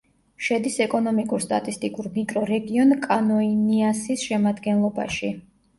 შედის ეკონომიკურ-სტატისტიკურ მიკრორეგიონ კანოინიასის შემადგენლობაში.